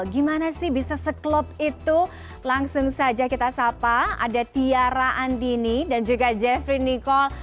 gimana sih bisa sekelop itu langsung saja kita sapa ada tiara andini dan juga jeffrey nicole